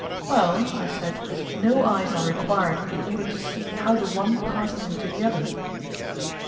Well, I said, no eyes are required in order to see how the one passes into the other.